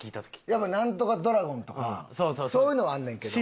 やっぱなんとかドラゴンとかそういうのはあんねんけど。